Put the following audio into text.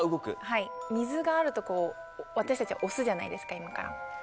はい水があるとこう私たちは押すじゃないですか今から。